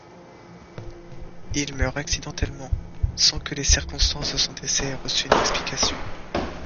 Il meurt accidentellement, sans que les circonstances de son décès aient reçu une explication.